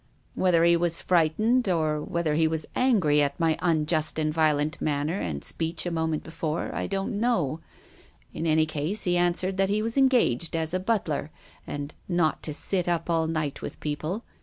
Whether he was frightened, or whether he was angry at my unjust and violent manner and speech a moment before, I don't know. In any case he answered that he was engaged as a butler, and not to sit up all night with people.